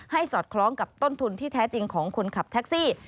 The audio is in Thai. สอดคล้องกับต้นทุนที่แท้จริงของคนขับแท็กซี่